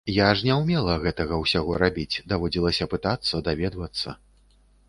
Я ж не ўмела гэтага ўсяго рабіць, даводзілася пытацца, даведвацца.